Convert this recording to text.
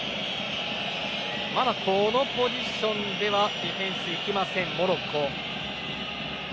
まだこのポジションではディフェンスに行かないモロッコ。